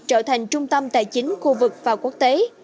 trở thành trung tâm tài chính khu vực và quốc tế